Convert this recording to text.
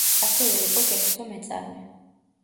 ასევე იყო კერძო მეწარმე.